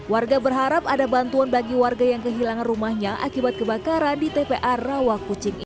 warga berharap ada bantuan bagi warga yang kehilangan rumahnya akibat kebakaran di tpa rawakucing ini